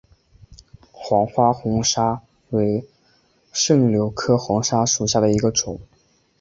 黄花红砂为柽柳科红砂属下的一个种。